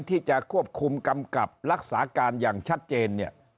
ที่จะควบคุมกำกับรักษาการอย่างชัดเจนเนี่ย